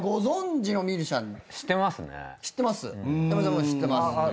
はい知ってます。